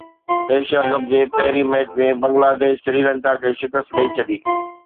Asia cup جي پهرين match ۾ Bangladesh Sri Lanka کي شڪست ڏئي ڇڏي